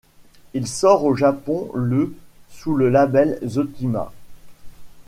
Il sort au Japon le sous le label zetima.